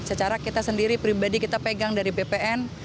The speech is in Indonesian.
secara kita sendiri pribadi kita pegang dari bpn